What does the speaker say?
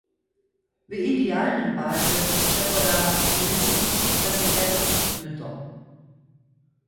W idealnym padźe přepoda ministerski prezident myto.